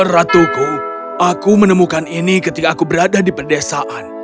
ratuku aku menemukan ini ketika aku berada di pedesaan